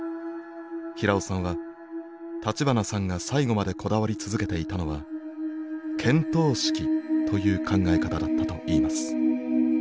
平尾さんは立花さんが最後までこだわり続けていたのは見当識という考え方だったと言います。